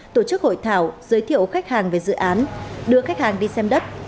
tổ chức hội thảo giới thiệu khách hàng về dự án đưa khách hàng đi xem đất